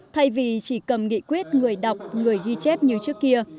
thay vì chỉ cầm nghị quyết người đọc người ghi chép như trước kia